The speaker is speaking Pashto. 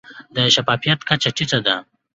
د شفافیت کچه ټیټه ده.